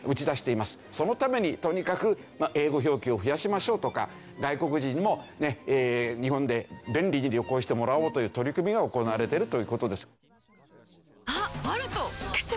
そのためにとにかく英語表記を増やしましょうとか外国人にも日本で便利に旅行してもらおうという取り組みが行われてるという事です。